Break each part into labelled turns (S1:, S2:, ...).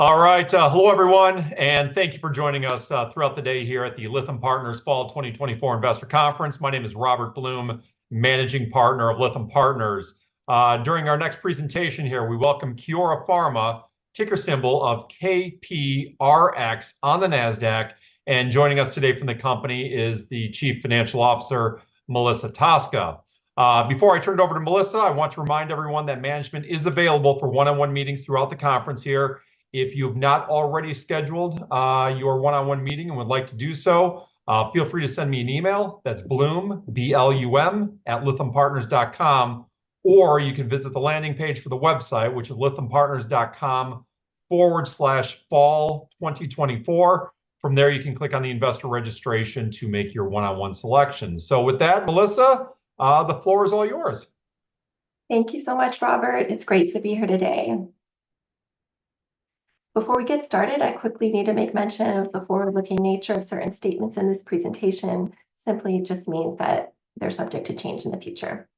S1: All right, hello everyone, and thank you for joining us throughout the day here at the Lytham Partners Fall 2024 Investor Conference. My name is Robert Blum, Managing Partner of Lytham Partners. During our next presentation here, we welcome Kiora Pharma, ticker symbol of KPRX on the Nasdaq, and joining us today from the company is the Chief Financial Officer, Melissa Tosca. Before I turn it over to Melissa, I want to remind everyone that management is available for one-on-one meetings throughout the conference here. If you've not already scheduled your one-on-one meeting and would like to do so, feel free to send me an email, that's Blum, B-L-U-M, @lythampartners.com, or you can visit the landing page for the website, which is lythampartners.com/fall2024. From there, you can click on the investor registration to make your one-on-one selection. So with that, Melissa, the floor is all yours.
S2: Thank you so much, Robert. It's great to be here today. Before we get started, I quickly need to make mention of the forward-looking nature of certain statements in this presentation. Simply just means that they're subject to change in the future.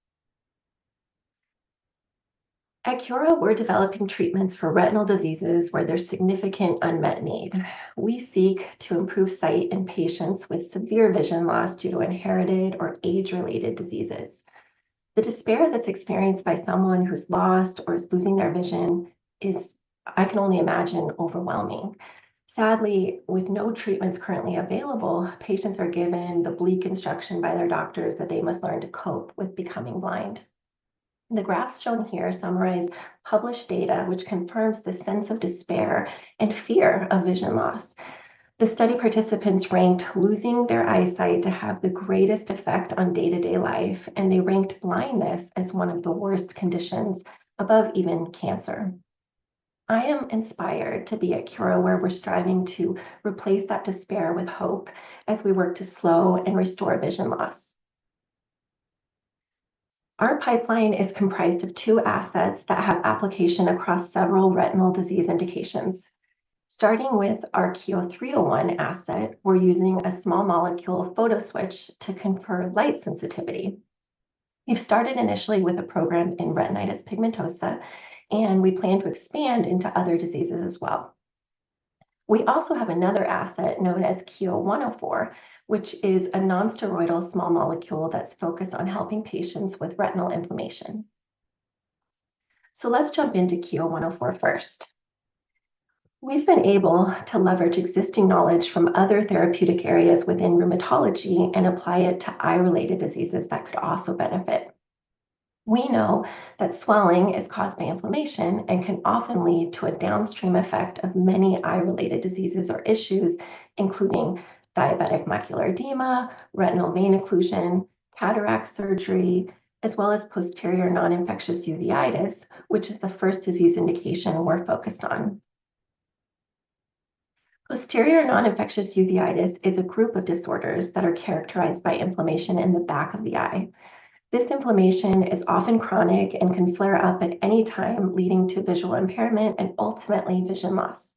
S2: At Kiora, we're developing treatments for retinal diseases where there's significant unmet need. We seek to improve sight in patients with severe vision loss due to inherited or age-related diseases. The despair that's experienced by someone who's lost or is losing their vision is, I can only imagine, overwhelming. Sadly, with no treatments currently available, patients are given the bleak instruction by their doctors that they must learn to cope with becoming blind. The graphs shown here summarize published data, which confirms the sense of despair and fear of vision loss. The study participants ranked losing their eyesight to have the greatest effect on day-to-day life, and they ranked blindness as one of the worst conditions above even cancer. I am inspired to be at Kiora, where we're striving to replace that despair with hope as we work to slow and restore vision loss. Our pipeline is comprised of two assets that have application across several retinal disease indications. Starting with our KIO-301 asset, we're using a small molecule photoswitch to confer light sensitivity. We've started initially with a program in retinitis pigmentosa, and we plan to expand into other diseases as well. We also have another asset known as KIO-104, which is a non-steroidal small molecule that's focused on helping patients with retinal inflammation. So let's jump into KIO-104 first. We've been able to leverage existing knowledge from other therapeutic areas within rheumatology and apply it to eye-related diseases that could also benefit. We know that swelling is caused by inflammation and can often lead to a downstream effect of many eye-related diseases or issues, including diabetic macular edema, retinal vein occlusion, cataract surgery, as well as posterior non-infectious uveitis, which is the first disease indication we're focused on. Posterior non-infectious uveitis is a group of disorders that are characterized by inflammation in the back of the eye. This inflammation is often chronic and can flare up at any time, leading to visual impairment and ultimately vision loss.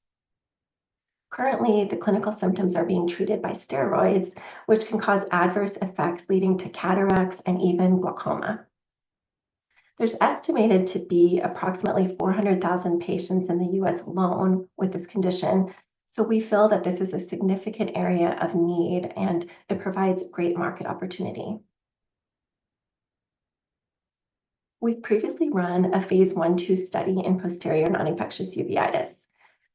S2: Currently, the clinical symptoms are being treated by steroids, which can cause adverse effects, leading to cataracts and even glaucoma. There's estimated to be approximately 400,000 patients in the U.S. alone with this condition, so we feel that this is a significant area of need, and it provides great market opportunity. We've previously run a phase I/II study in posterior non-infectious uveitis.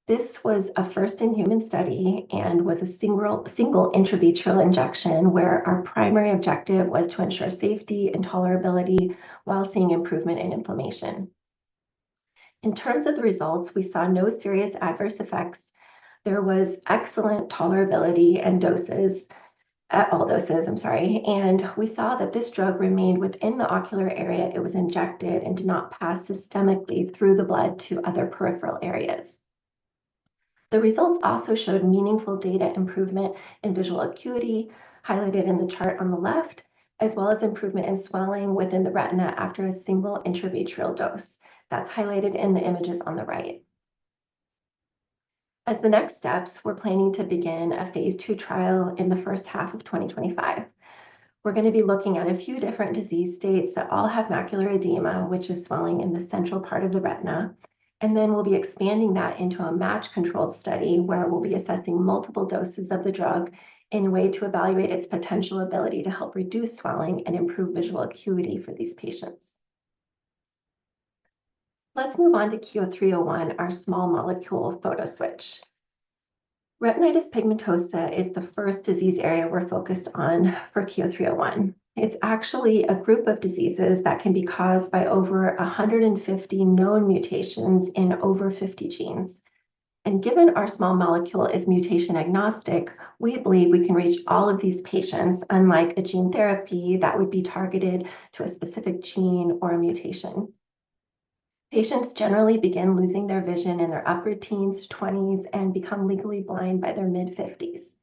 S2: This was a first-in-human study and was a single intravitreal injection, where our primary objective was to ensure safety and tolerability while seeing improvement in inflammation. In terms of the results, we saw no serious adverse effects. There was excellent tolerability at all doses, I'm sorry, and we saw that this drug remained within the ocular area it was injected in, and did not pass systemically through the blood to other peripheral areas. The results also showed meaningful data improvement in visual acuity, highlighted in the chart on the left, as well as improvement in swelling within the retina after a single intravitreal dose. That's highlighted in the images on the right. As the next steps, we're planning to begin a phase II trial in the H1 of 2025. We're going to be looking at a few different disease states that all have macular edema, which is swelling in the central part of the retina, and then we'll be expanding that into a matched-controlled study, where we'll be assessing multiple doses of the drug in a way to evaluate its potential ability to help reduce swelling and improve visual acuity for these patients. Let's move on to KIO-301, our small molecule photo switch. Retinitis pigmentosa is the first disease area we're focused on for KIO-301. It's actually a group of diseases that can be caused by over a hundred and fifty known mutations in over fifty genes. And given our small molecule is mutation agnostic, we believe we can reach all of these patients, unlike a gene therapy that would be targeted to a specific gene or a mutation. Patients generally begin losing their vision in their upper teens, twenties, and become legally blind by their mid-fifties.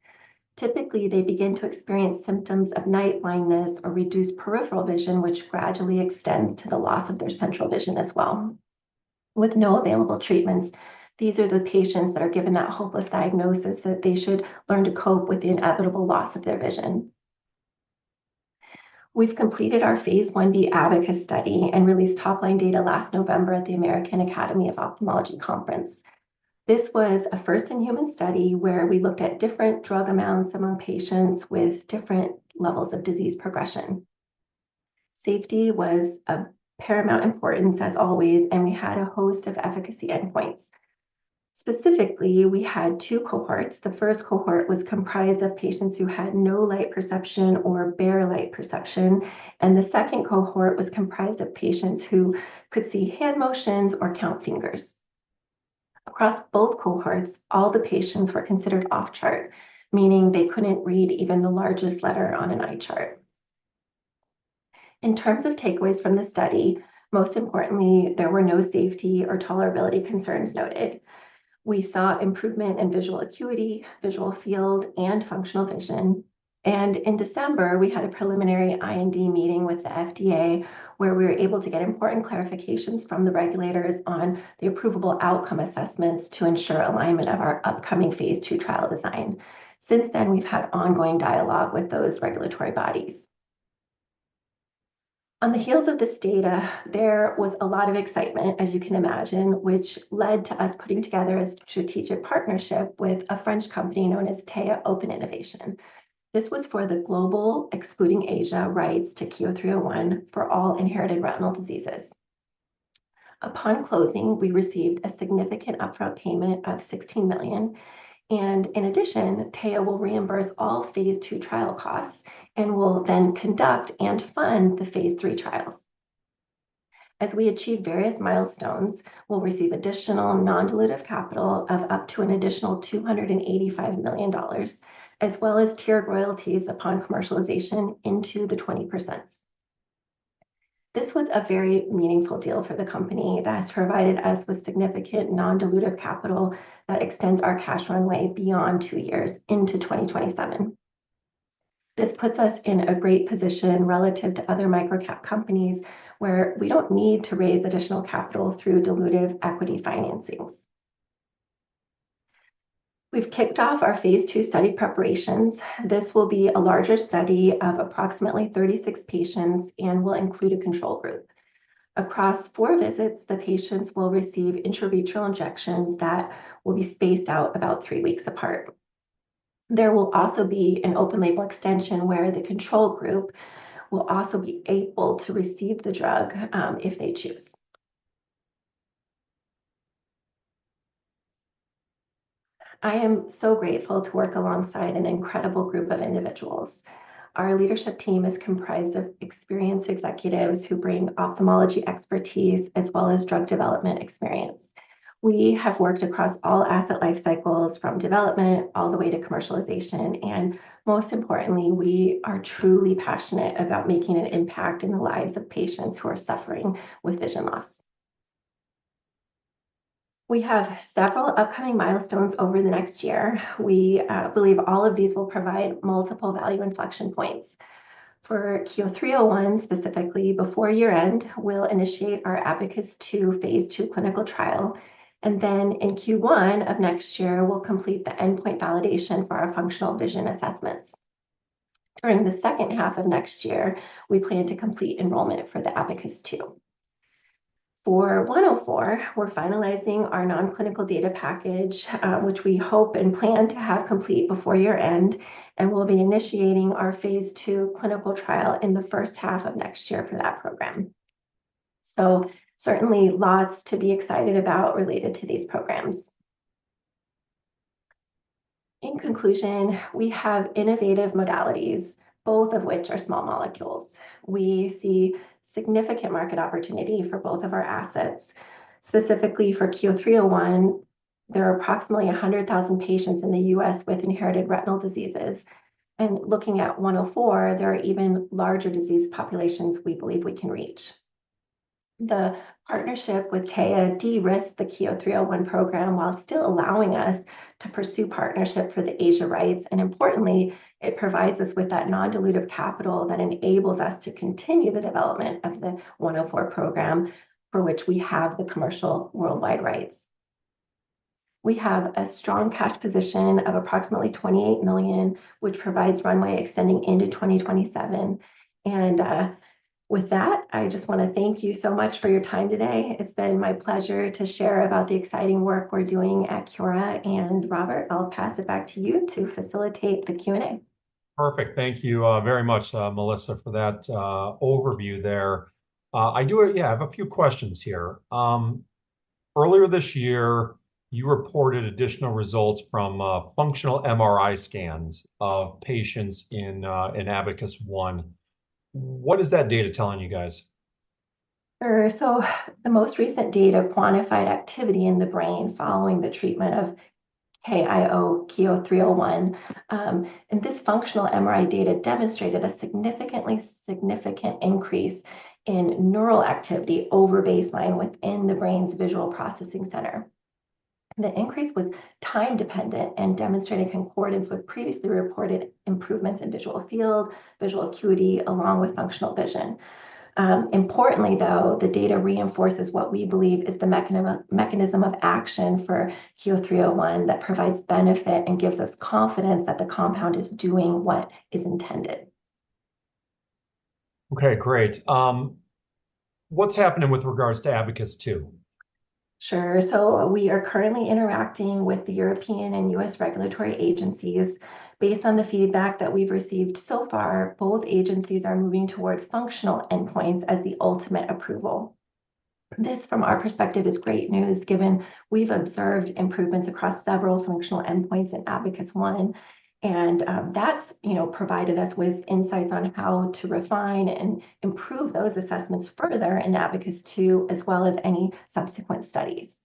S2: Typically, they begin to experience symptoms of night blindness or reduced peripheral vision, which gradually extends to the loss of their central vision as well. With no available treatments, these are the patients that are given that hopeless diagnosis, that they should learn to cope with the inevitable loss of their vision. We've completed our phase Ib ABACUS study and released top-line data last November at the American Academy of Ophthalmology conference. This was a first-in-human study where we looked at different drug amounts among patients with different levels of disease progression. Safety was of paramount importance, as always, and we had a host of efficacy endpoints. Specifically, we had two cohorts. The first cohort was comprised of patients who had no light perception or bare light perception, and the second cohort was comprised of patients who could see hand motions or count fingers. Across both cohorts, all the patients were considered off-chart, meaning they couldn't read even the largest letter on an eye chart. In terms of takeaways from the study, most importantly, there were no safety or tolerability concerns noted. We saw improvement in visual acuity, visual field, and functional vision. In December, we had a preliminary IND meeting with the FDA, where we were able to get important clarifications from the regulators on the approvable outcome assessments to ensure alignment of our upcoming phase II trial design. Since then, we've had ongoing dialogue with those regulatory bodies. On the heels of this data, there was a lot of excitement, as you can imagine, which led to us putting together a strategic partnership with a French company known as Théa Open Innovation. This was for the global, excluding Asia, rights to KIO-301 for all inherited retinal diseases. Upon closing, we received a significant upfront payment of $16 million, and in addition, Théa will reimburse all phase II trial costs and will then conduct and fund the phase III trials. As we achieve various milestones, we'll receive additional non-dilutive capital of up to an additional $285 million, as well as tiered royalties upon commercialization into the 20%. This was a very meaningful deal for the company that has provided us with significant non-dilutive capital that extends our cash runway beyond two years into 2027. This puts us in a great position relative to other micro-cap companies, where we don't need to raise additional capital through dilutive equity financings. We've kicked off our phase II study preparations. This will be a larger study of approximately 36 patients and will include a control group. Across four visits, the patients will receive intravitreal injections that will be spaced out about three weeks apart. There will also be an open-label extension, where the control group will also be able to receive the drug, if they choose. I am so grateful to work alongside an incredible group of individuals. Our leadership team is comprised of experienced executives who bring ophthalmology expertise, as well as drug development experience. We have worked across all asset life cycles, from development all the way to commercialization, and most importantly, we are truly passionate about making an impact in the lives of patients who are suffering with vision loss. We have several upcoming milestones over the next year. We believe all of these will provide multiple value inflection points. For KIO-301, specifically, before year-end, we'll initiate our ABACUS 2 phase II clinical trial, and then in Q1 of next year, we'll complete the endpoint validation for our functional vision assessments. During the H2 of next year, we plan to complete enrollment for the ABACUS 2. For KIO-104, we're finalizing our non-clinical data package, which we hope and plan to have complete before year-end, and we'll be initiating our phase II clinical trial in the H1 of next year for that program. So certainly lots to be excited about related to these programs. In conclusion, we have innovative modalities, both of which are small molecules. We see significant market opportunity for both of our assets. Specifically for KIO-301, there are approximately a hundred thousand patients in the U.S. with inherited retinal diseases, and looking at KIO-104, there are even larger disease populations we believe we can reach. The partnership with Théa de-risked the KIO-301 program, while still allowing us to pursue partnership for the Asia rights, and importantly, it provides us with that non-dilutive capital that enables us to continue the development of the KIO-104 program, for which we have the commercial worldwide rights. We have a strong cash position of approximately $28 million, which provides runway extending into 2027, and with that, I just want to thank you so much for your time today. It's been my pleasure to share about the exciting work we're doing at Kiora, and Robert, I'll pass it back to you to facilitate the Q&A.
S1: Perfect. Thank you very much, Melissa, for that overview there. I have a few questions here. Earlier this year, you reported additional results from functional MRI scans of patients in ABACUS 1. What is that data telling you guys?
S2: Sure. So the most recent data quantified activity in the brain following the treatment of KIO-301, and this functional MRI data demonstrated a significant increase in neural activity over baseline within the brain's visual processing center. The increase was time-dependent and demonstrated concordance with previously reported improvements in visual field, visual acuity, along with functional vision. Importantly, though, the data reinforces what we believe is the mechanism of action for KIO-301 that provides benefit and gives us confidence that the compound is doing what is intended....
S1: Okay, great. What's happening with regards to ABACUS 2?
S2: Sure. So we are currently interacting with the European and U.S. regulatory agencies. Based on the feedback that we've received so far, both agencies are moving toward functional endpoints as the ultimate approval. This, from our perspective, is great news, given we've observed improvements across several functional endpoints in ABACUS 1, and, that's, you know, provided us with insights on how to refine and improve those assessments further in ABACUS 2, as well as any subsequent studies.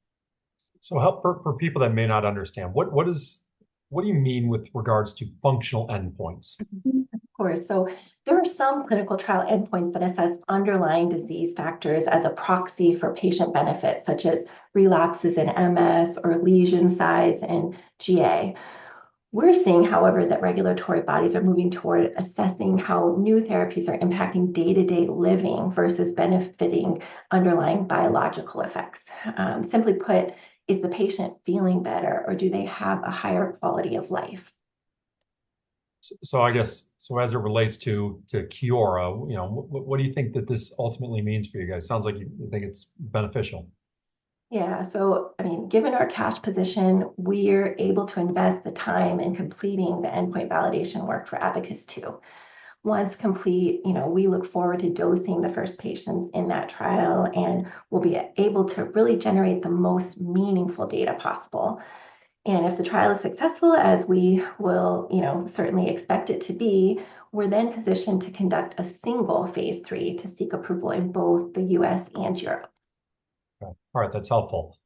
S1: Help for people that may not understand, what do you mean with regards to functional endpoints?
S2: Mm-hmm. Of course. So there are some clinical trial endpoints that assess underlying disease factors as a proxy for patient benefit, such as relapses in MS or lesion size in GA. We're seeing, however, that regulatory bodies are moving toward assessing how new therapies are impacting day-to-day living versus benefiting underlying biological effects. Simply put, is the patient feeling better, or do they have a higher quality of life?
S1: I guess, as it relates to Kiora, you know, what do you think that this ultimately means for you guys? Sounds like you think it's beneficial.
S2: Yeah. So, I mean, given our cash position, we're able to invest the time in completing the endpoint validation work for ABACUS 2. Once complete, you know, we look forward to dosing the first patients in that trial, and we'll be able to really generate the most meaningful data possible. And if the trial is successful, as we will, you know, certainly expect it to be, we're then positioned to conduct a single phase III to seek approval in both the U.S. and Europe.
S1: Okay. All right, that's helpful.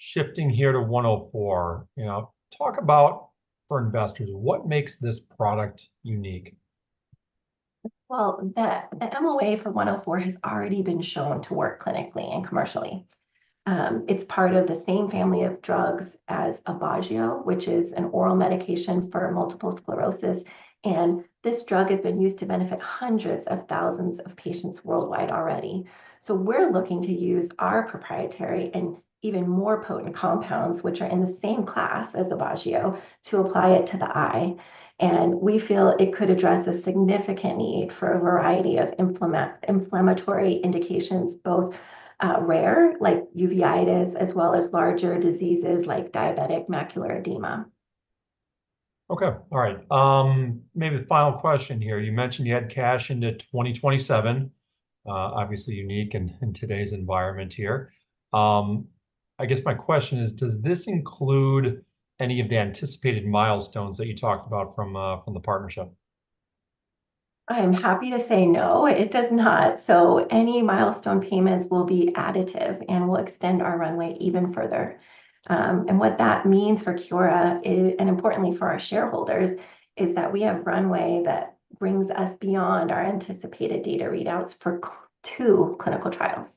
S1: Shifting here to 104, you know, talk about, for investors, what makes this product unique?
S2: The MOA for 104 has already been shown to work clinically and commercially. It's part of the same family of drugs as Aubagio, which is an oral medication for multiple sclerosis, and this drug has been used to benefit hundreds of thousands of patients worldwide already. We're looking to use our proprietary and even more potent compounds, which are in the same class as Aubagio, to apply it to the eye, and we feel it could address a significant need for a variety of inflammatory indications, both rare, like uveitis, as well as larger diseases like diabetic macular edema.
S1: Okay. All right. Maybe the final question here. You mentioned you had cash into 2027. Obviously unique in today's environment here. I guess my question is, does this include any of the anticipated milestones that you talked about from the partnership?
S2: I am happy to say no, it does not. So any milestone payments will be additive and will extend our runway even further. And what that means for Kiora and importantly for our shareholders, is that we have runway that brings us beyond our anticipated data readouts for two clinical trials.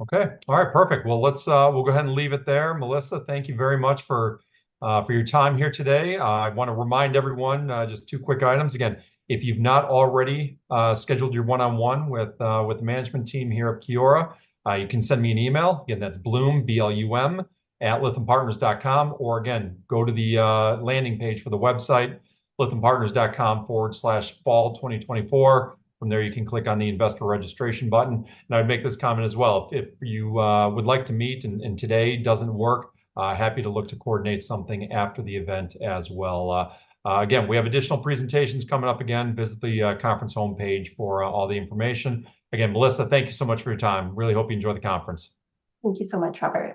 S1: Okay. All right, perfect. Well, let's. We'll go ahead and leave it there. Melissa, thank you very much for your time here today. I want to remind everyone just two quick items. Again, if you've not already scheduled your one-on-one with the management team here at Kiora, you can send me an email. Again, that's Blum, B-L-U-M, @lythampartners.com, or again, go to the landing page for the website, lythampartners.com/fall2024. From there, you can click on the Investor Registration button. And I would make this comment as well, if you would like to meet and today doesn't work, happy to look to coordinate something after the event as well. Again, we have additional presentations coming up. Again, visit the conference homepage for all the information. Again, Melissa, thank you so much for your time. Really hope you enjoy the conference.
S2: Thank you so much, Robert.